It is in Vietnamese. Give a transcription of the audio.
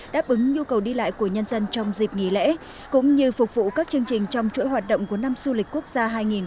đáp ứng nhu cầu đi lại của nhân dân trong dịp nghỉ lễ cũng như phục vụ các chương trình trong chuỗi hoạt động của năm du lịch quốc gia hai nghìn hai mươi bốn